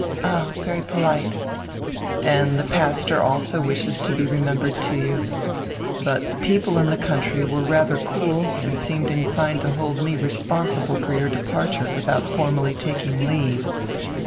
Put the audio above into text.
"All, very polite." "And die pastor also wishes to be remembered to you. But die people in die country were rather cool and seemed inclined to hold me responsible for your departure without formally taking leave.